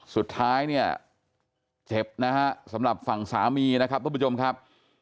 สุดท้ายเนี่ยเจ็บนะฮะสำหรับฝั่งสามีนะครับทุกผู้ชมครับ